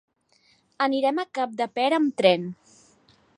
Anirem a Capdepera amb tren.